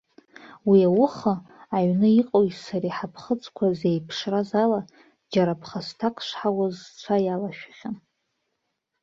Уи ауха, аҩны иҟоуи сареи ҳаԥхыӡқәа зеиԥшраз ала, џьара ԥхасҭак шҳауаз сцәа иалашәахьан.